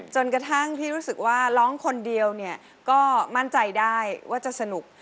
จนกระทั่งพี่รู้สึกว่าร้องคนเดียวเนี่ยก็มั่นใจได้ว่าจะสนุก